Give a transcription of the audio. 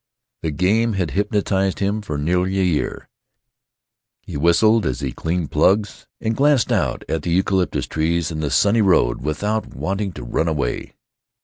The game had hypnotized him for nearly a year. He whistled as he cleaned plugs, and glanced out at the eucalyptus trees and the sunny road, without wanting to run away.